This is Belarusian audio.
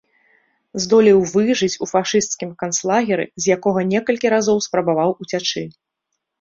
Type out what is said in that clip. Здолеў выжыць у фашысцкім канцлагеры, з якога некалькі разоў спрабаваў уцячы.